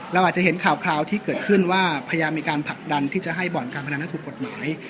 เราอาจจะเห็นข่าวคราวที่เกิดขึ้นว่าพยายามมีการผลักดันที่จะให้บ่อนการพนันนั้นถูกกฎหมาย